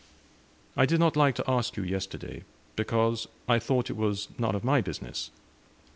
I did not like to ask you yesterday, because I thought it was none of my business."